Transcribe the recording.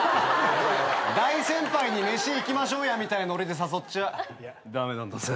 大先輩に「飯行きましょうや」みたいなノリで誘っちゃ駄目なんだぜ。